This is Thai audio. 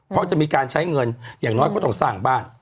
เพราะจะมีการใช้เงินอย่างน้อยก็ต้องสร้างบ้าน